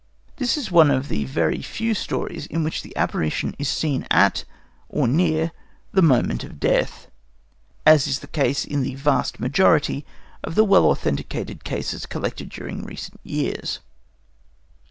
This is one of the very few stories in which the apparition is seen at or near the moment of death, as is the case in the vast majority of the well authenticated cases collected during recent years.